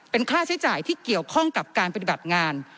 เป็นค่าใช้จ่ายที่เกี่ยวข้องกับการปฏิบัติงาน